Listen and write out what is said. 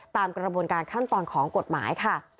ตามกระบวนการขั้นตอนของกฎหมายค่ะ